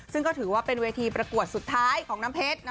ซึ่งก็ถือว่าเป็นเวทีประกวดสุดท้ายของน้ำเพชร